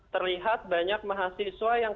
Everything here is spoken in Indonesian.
terlihat banyak mahasiswa yang